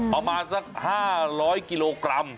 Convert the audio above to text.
เอามาสัก๕๐๐กิโลกรัม